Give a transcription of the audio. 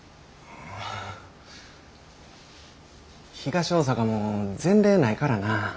東大阪も前例ないからな。